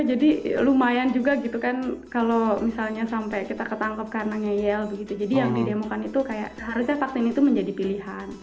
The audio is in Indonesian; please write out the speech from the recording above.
jadi yang didemokan itu kayak harusnya vaksin itu menjadi pilihan